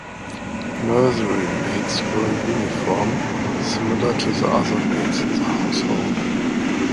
Nursery Maids wore a uniform, similar to the other maids in the household.